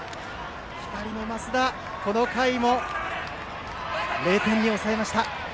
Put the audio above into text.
光高校の升田、この回も０点に抑えました。